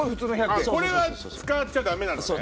これは使っちゃダメなのね。